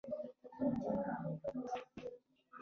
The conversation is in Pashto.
لرغونپوهانو د مدیترانې سمندر په تل کې ترلاسه کړي دي.